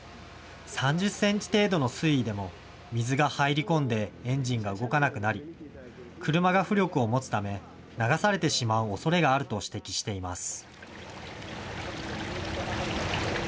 ３０センチ程度の水位でも水が入り込んでエンジンが動かなくなり、車が浮力を持つため流されてしまうおそれがあると指摘しています。